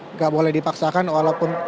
nggak boleh dipaksakan walaupun